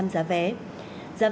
giá vé cá nhân